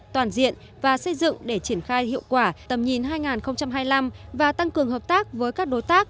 toàn diện và xây dựng để triển khai hiệu quả tầm nhìn hai nghìn hai mươi năm và tăng cường hợp tác với các đối tác